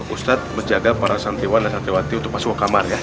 ustaz berjaga para santaiwan dan santaiwati untuk masuk ke kamar ya